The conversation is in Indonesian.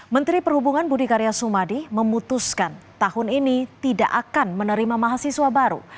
menteri perhubungan budi karya sumadi memutuskan tahun ini tidak akan menerima mahasiswa baru